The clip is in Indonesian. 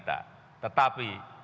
dan lembaga lembaga yang berpengalaman